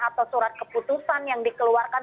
atau surat keputusan yang dikeluarkan